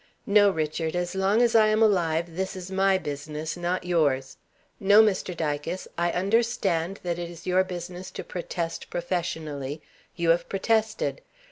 "No, Richard! as long as I am alive this is my business, not yours. No, Mr. Dicas! I understand that it is your business to protest professionally. You have protested.